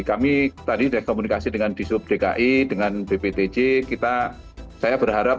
kami tadi sudah komunikasi dengan disub dki dengan bptj kita saya berharap